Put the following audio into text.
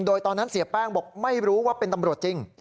โดยตอนนั้นเสียแป้งบอกไม่รู้ว่าเป็นตำรวจจริง